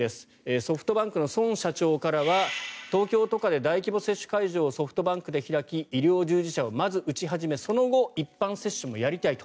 ソフトバンクの孫社長からは東京とかで大規模接種会場をソフトバンクで開き医療従事者をまず打ち始めその後、一般接種もやりたいと。